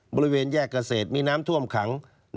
บริเวณแยกเกษตรมีน้ำท่วมขัง